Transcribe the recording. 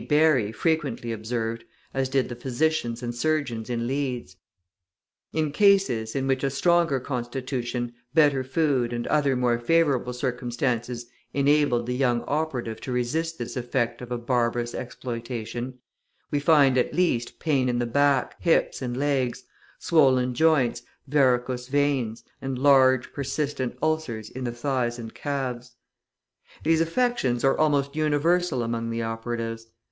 Barry {154a} frequently observed, as did the physicians and surgeons in Leeds. {154b} In cases, in which a stronger constitution, better food, and other more favourable circumstances enabled the young operative to resist this effect of a barbarous exploitation, we find, at least, pain in the back, hips, and legs, swollen joints, varicose veins, and large, persistent ulcers in the thighs and calves. These affections are almost universal among the operatives.